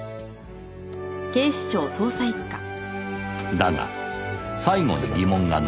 だが最後に疑問が残る